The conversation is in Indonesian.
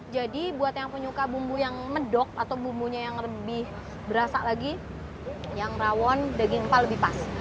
jadi buat yang penyuka bumbu yang medok atau bumbunya yang lebih berasa lagi yang rawon daging empal lebih pas